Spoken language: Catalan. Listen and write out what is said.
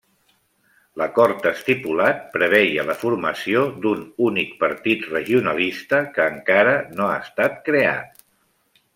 L'acord estipulat preveia la formació d'un únic partit regionalista, que encara no ha estat creat.